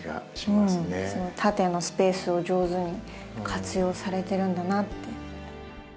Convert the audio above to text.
縦のスペースを上手に活用されてるんだなって。